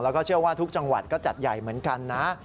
แล้วก็เชื่อว่าทุกจังหวัดก็จัดใหญ่เหมือนกันนะ